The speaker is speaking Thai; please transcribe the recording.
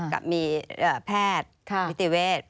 ก็มีแพทย์วิทยาเวท